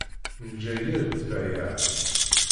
Nejja yir ḍḍbayeɛ.